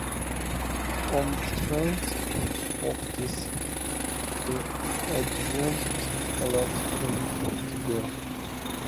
On the strength of this the Adjutant allowed him to go.